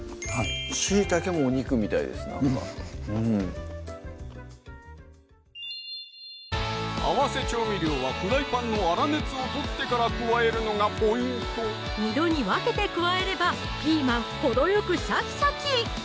しいたけもお肉みたいですなんかうん合わせ調味料はフライパンの粗熱を取ってから加えるのがポイント二度に分けて加えればピーマン程よくシャキシャキ！